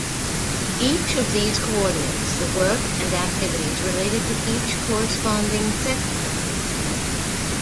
Each of these coordinates the work and the activities related to each corresponding sector.